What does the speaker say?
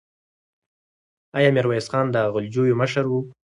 آیا میرویس خان د غلجیو مشر و؟